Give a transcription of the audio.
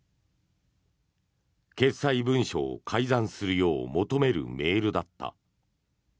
決裁文書を改ざんするよう求めるメールだった。